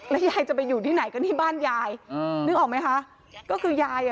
ยายจะไปอยู่ที่ไหนกันที่บ้านยายอืมนึกออกไหมคะก็คือยายอ่ะ